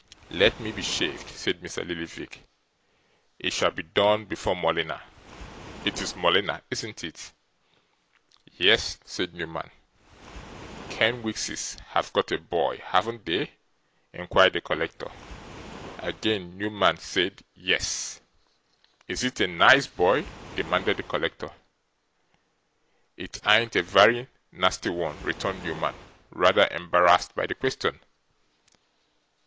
'Let me be shaved!' said Mr. Lillyvick. 'It shall be done before Morleena; it IS Morleena, isn't it?' 'Yes,' said Newman. 'Kenwigses have got a boy, haven't they?' inquired the collector. Again Newman said 'Yes.' 'Is it a nice boy?' demanded the collector. 'It ain't a very nasty one,' returned Newman, rather embarrassed by the question.